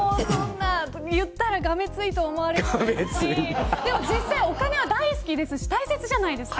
言ったらがめついと思われますし実際、お金は大好きですし大切じゃないですか。